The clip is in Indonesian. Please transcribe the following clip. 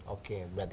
oke berarti ini